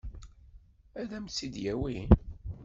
Ad m-tt-id-yawi?